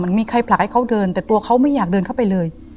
มีใครผลักให้เขาเดินแต่ตัวเขาไม่อยากเดินเข้าไปเลย